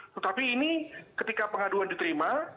tetapi ini ketika pengaduan diterima